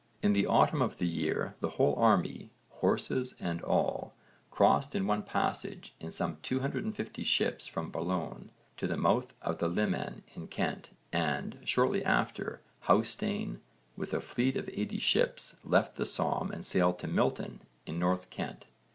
In the autumn of the year the whole army, horses and all, crossed in one passage in some 250 ships from Boulogne to the mouth of the Limen in Kent and, shortly after, Hásteinn with a fleet of 80 ships left the Somme and sailed to Milton in North Kent.